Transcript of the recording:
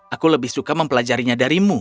aku lebih suka mempelajarinya darimu